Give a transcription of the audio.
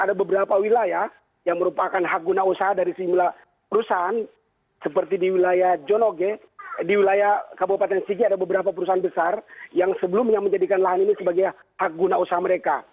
ada beberapa wilayah yang merupakan hak guna usaha dari sejumlah perusahaan seperti di wilayah jonoge di wilayah kabupaten sigi ada beberapa perusahaan besar yang sebelumnya menjadikan lahan ini sebagai hak guna usaha mereka